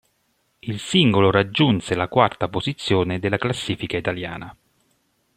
Il singolo raggiunse la quarta posizione della classifica italiana.